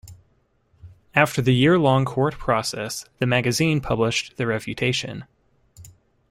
After the year-long court process the magazine published the refutation.